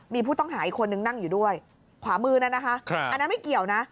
มีผู้ต้องหาอีกคนนึงนั่งอยู่ด้วยขวามือนั้นนะคะอันนั้นไม่เกี่ยวนะ